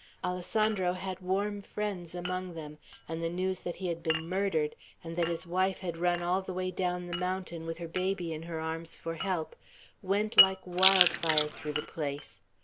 Alessandro had warm friends among them, and the news that he had been murdered, and that his wife had run all the way down the mountain, with her baby in her arms, for help, went like wild fire through the place.